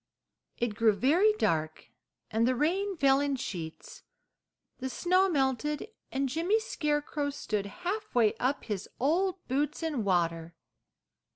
It grew very dark, and the rain fell in sheets, the snow melted, and Jimmy Scarecrow stood halfway up his old boots in water.